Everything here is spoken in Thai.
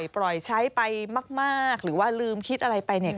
ปล่อยใช้ไปมากหรือว่าลืมคิดอะไรไปเนี่ย